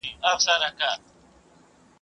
د هغه نظرونه نن هم د بحث وړ دي.